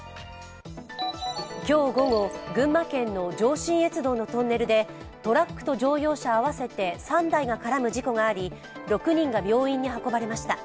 今日午後、群馬県の上信越道のトンネルでトラックと乗用車合わせて３台が絡む事故があり、６人が病院に運ばれました。